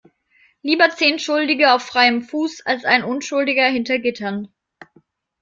Lieber zehn Schuldige auf freiem Fuß als ein Unschuldiger hinter Gittern.